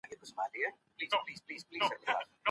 صابر شاه د غنمو وږی چیرته کيښود؟